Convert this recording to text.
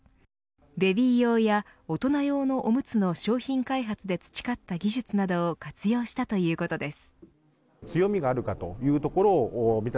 ベビー用や大人用のおむつの商品開発で培った技術などを活用したということです。